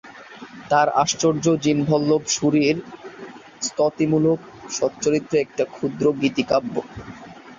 তাঁর আচার্য জিনবল্লভ সূরির স্ত্ততিমূলক চ্চচরী একটি ক্ষুদ্র গীতিকাব্য।